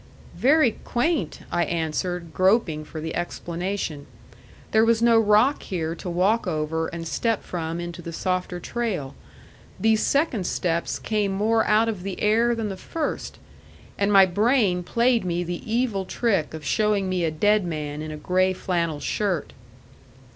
"Very quaint," I answered, groping for the explanation. There was no rock here to walk over and step from into the softer trail. These second steps came more out of the air than the first. And my brain played me the evil trick of showing me a dead man in a gray flannel shirt.